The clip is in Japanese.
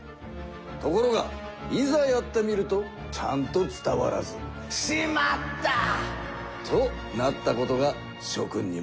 ところがいざやってみるとちゃんと伝わらず「しまった！」となったことがしょ君にもあるのではないか。